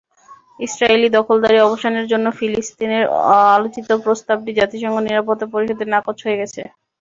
Israeli দখলদারি অবসানের জন্য ফিলিস্তিনের আলোচিত প্রস্তাবটি জাতিসংঘ নিরাপত্তা পরিষদে নাকচ হয়ে গেছে।